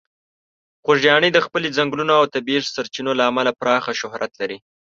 خوږیاڼي د خپلې ځنګلونو او د طبیعي سرچینو له امله پراخه شهرت لري.